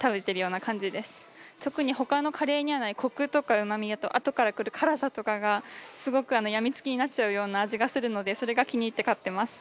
特に他のカレーにはないコクとかうまみあとあとからくる辛さとかがすごく病み付きになっちゃうような味がするのでそれが気に入って買ってます。